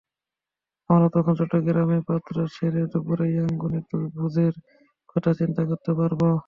আমরা তখন চট্টগ্রামে প্রাতরাশ সেরে দুপুরে ইয়াঙ্গুনে ভোজের কথা চিন্তা করতে পারব।